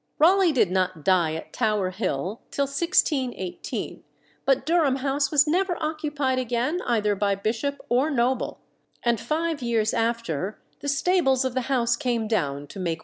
Raleigh did not die at Tower Hill till 1618; but Durham House was never occupied again either by bishop or noble, and five years after the stables of the house came down to make way for the New Exchange.